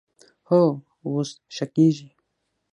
هو، اوس ښه کیږي